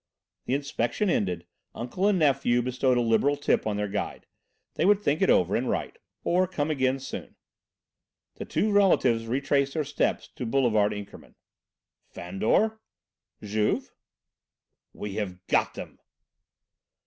The inspection ended, uncle and nephew bestowed a liberal tip on their guide. They would think it over and write or come again soon. The two relatives retraced their steps to Boulevard Inkermann. "Fandor?" "Juve?" "We have got them!"